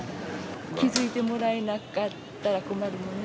気付いてもらえなかったら困るものね。